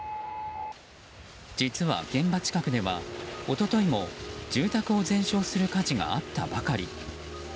実は、現場近くでは一昨日も住宅を全焼する火事があったばかり。